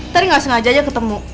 tadi nggak sengaja aja ketemu